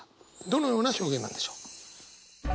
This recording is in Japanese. どのような表現なんでしょう？